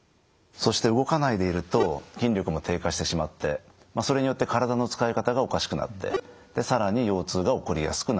そして動かないでいると筋力も低下してしまってそれによって体の使い方がおかしくなって更に腰痛が起こりやすくなっていく。